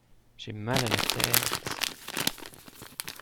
J’ai mal à la tête.